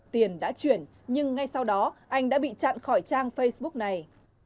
tiền đã chuyển nhưng ngay sau đó anh đã bị chặn khỏi trang facebook này